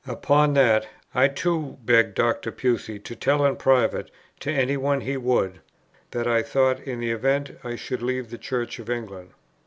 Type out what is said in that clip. Upon that, I too begged Dr. Pusey to tell in private to any one he would, that I thought in the event I should leave the Church of England.